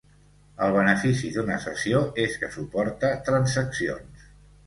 El benefici d'una sessió és que suporta transaccions.